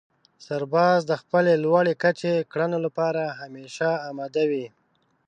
سرباز د خپلې لوړې کچې کړنو لپاره همېشه اماده وي.